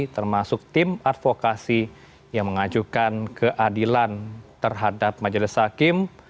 termasuk tim advokasi yang mengajukan keadilan terhadap majelis hakim